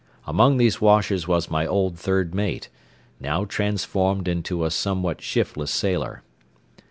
Among these washers was my old third mate, now transformed into a somewhat shiftless sailor.